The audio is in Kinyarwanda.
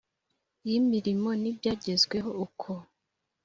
y imirimo n ibyagezweho uko